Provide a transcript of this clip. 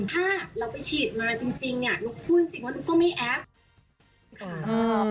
ถ้าเราไปฉีดมาจริงเนี่ยนุ๊กพูดจริงว่านุ๊กก็ไม่แอป